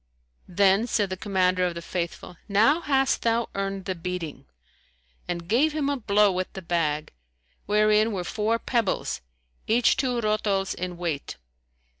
Then said the Commander of the Faithful, "Now hast thou earned the beating," and gave him a blow with the bag, wherein were four pebbles each two rotols in weight.